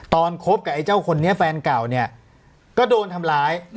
คบกับไอ้เจ้าคนนี้แฟนเก่าเนี่ยก็โดนทำร้าย